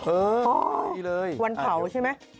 เอออ๋อได้เลยวันเผาใช่มั้ย